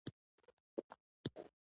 د سیاسي اسلام تاریخي تسلسل درک کړو.